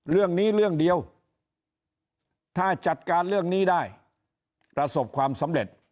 เรื่องนี้เรื่องเดียวถ้าจัดการเรื่องนี้ได้ประสบความสำเร็จ